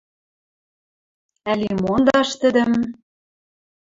Ӓли мондаш тӹдӹм?..»